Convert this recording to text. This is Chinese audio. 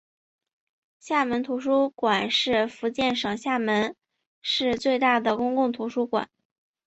厦门市图书馆是福建省厦门市最大的公共图书馆。